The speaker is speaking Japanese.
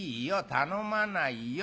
頼まないよ。